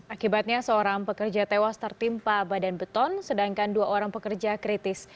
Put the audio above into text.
akibatnya seorang pekerja tewas tertimpa badan beton sedangkan dua orang pekerja kritis